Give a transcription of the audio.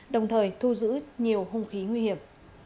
đồng thời thu giữ nhiều hung khí nguy hiểm